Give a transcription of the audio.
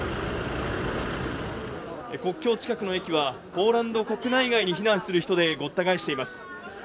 国境近くの駅は、ポーランド国内外に避難する人でごった返しています。